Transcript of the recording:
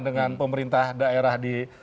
dengan pemerintah daerah di